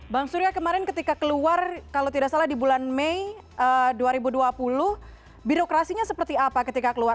bang surya kemarin ketika keluar kalau tidak salah di bulan mei dua ribu dua puluh birokrasinya seperti apa ketika keluar